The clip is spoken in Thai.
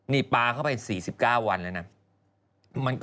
นี่ปลาเข้าไป๔๙วันแล้วนะ